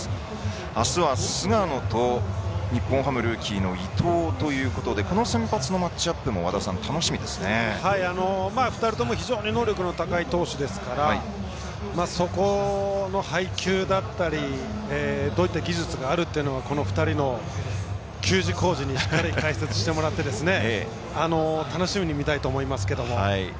あすは菅野と日本ハムのルーキーの伊藤ということでこの先発のマッチアップも２人とも能力の高い投手ですからそこの配球であったりどういう技術があるのかこの２人の球児・浩治に解説をしてもらって楽しみに見たいと思います。